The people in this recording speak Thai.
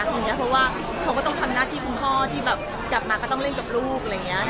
เพราะว่าเขาก็ต้องทำหน้าที่คุณพ่อกับมาก็ต้องเล่นกับลูก